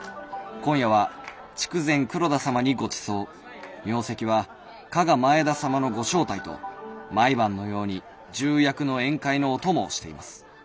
今夜は筑前黒田様にごちそう明夕は加賀前田様のご招待と毎晩のように重役の宴会のお供をしています。